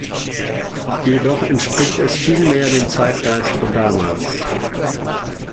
Jedoch entspricht es viel mehr dem Zeitgeist von damals.